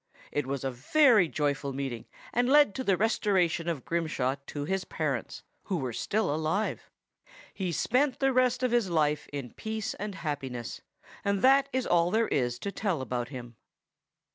This was a very joyful meeting, and led to the restoration of Grimshaw to his parents, who were still alive. He spent the remainder of his life in peace and happiness; and that is all there is to tell about him.